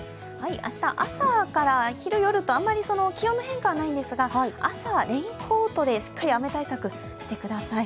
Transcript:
明日朝から昼、夜とあまり気温の変化はないんですが、朝、レインコートでしっかり雨対策をしてください。